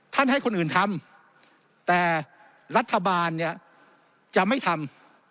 ให้คนอื่นทำแต่รัฐบาลเนี่ยจะไม่ทำ